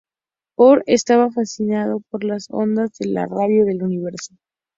Oort estaba fascinado por las ondas de radio del universo.